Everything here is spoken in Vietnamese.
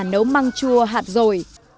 nấu măng chua hạt rồi